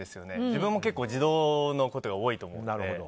自分も結構自動のことが多いと思うんで。